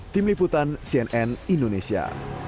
tim liputan cnn indonesia